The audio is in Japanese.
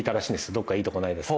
どこかいいところないですか？